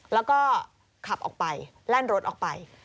แล้วก็ขับออกไปแล่นรถออกไป